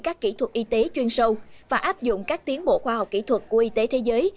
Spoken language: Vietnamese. các kỹ thuật y tế chuyên sâu và áp dụng các tiến bộ khoa học kỹ thuật của y tế thế giới